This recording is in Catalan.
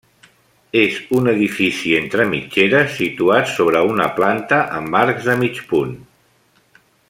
És un edifici entre mitgeres situat sobre una planta amb arcs de mig punt.